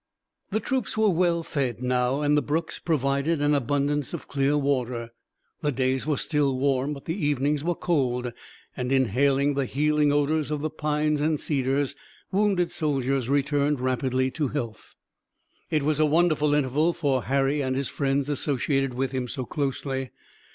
The troops were well fed now, and the brooks provided an abundance of clear water. The days were still warm, but the evenings were cold, and, inhaling the healing odors of the pines and cedars, wounded soldiers returned rapidly to health. It was a wonderful interval for Harry and his friends associated with him so closely.